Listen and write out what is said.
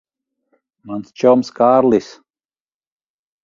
Mans čoms Kārlis.